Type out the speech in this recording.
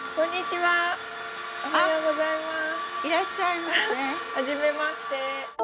はじめまして。